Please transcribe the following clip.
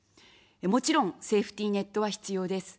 もちろんセーフティーネットは必要です。